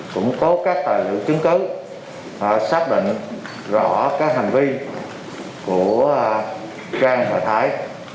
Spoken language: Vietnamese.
cũng có các tài liệu chứng cứ xác định rõ các hành vi của trang và thái